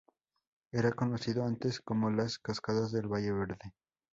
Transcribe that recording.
Era conocido antes como las cascadas del Valle Verde.